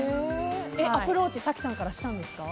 アプローチ早紀さんからしたんですか？